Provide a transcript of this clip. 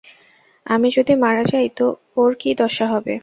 আমি যদি মারা যাই তো ওর কী দশা হবে।